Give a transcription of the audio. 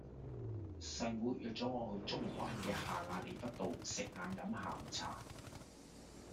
細妹約左我去中環嘅下亞厘畢道食晏飲下午茶